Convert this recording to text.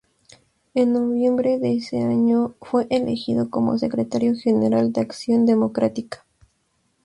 En noviembre de ese año fue elegido como secretario general de Acción Democrática.